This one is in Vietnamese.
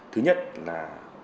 thứ nhất là